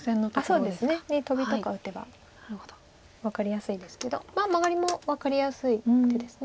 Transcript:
そうですねにトビとか打てば分かりやすいですけどマガリも分かりやすい手です。